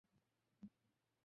তিনি তারা দেখা শুরু করেন।